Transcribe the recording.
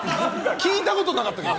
聞いたことなかったけど。